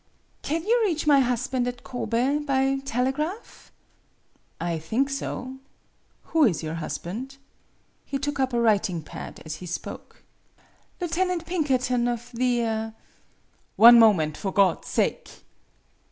" Can you reach my husband at Kobe by telegraph ?"" I think so. Who is your husband ?" He took up a writing pad as he spoke. " Lieutenant Pinkerton of the ."" One moment, for God's sake!"